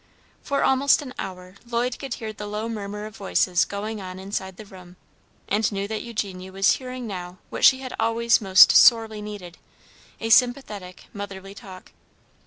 For almost an hour Lloyd could hear the low murmur of voices going on inside the room, and knew that Eugenia was hearing now what she had always most sorely needed, a sympathetic, motherly talk.